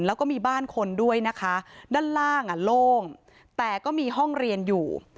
แล้วก็มีบ้านคนด้วยนะคะด้านล่างอ่ะโล่งแต่ก็มีห้องเรียนอยู่